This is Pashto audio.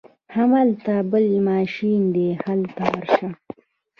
هغلته بل ماشین دی هلته ورشه.